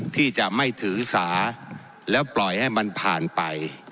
ที่จะไม่ถือสาแล้วปล่อยให้มันผ่านไป